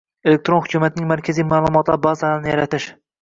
Elektron hukumatning markaziy ma’lumotlar bazalarini yaratish